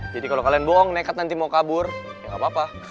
jadi kalau kalian bohong nekat nanti mau kabur ya gapapa